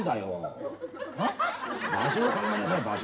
場所を考えなさい！